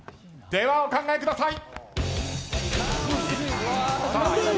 では、お考えください。